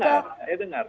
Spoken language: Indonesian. ya saya dengar